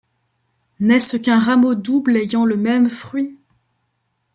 N’est-ce qu’un rameau double ayant le même fruit ?